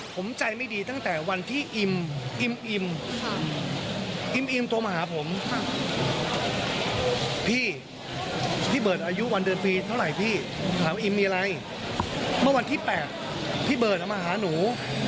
พี่เบิร์ตมาหานู